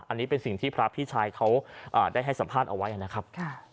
อันนี้เป็นสิ่งที่พระพี่ชายเขาได้ให้สัมภาษณ์เอาไว้นะครับ